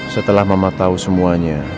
setelah mama tau semuanya